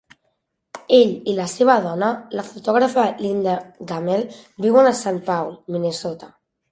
Ell i la seva dona, la fotògrafa Linda Gammell, viuen a Saint Paul, Minnesota.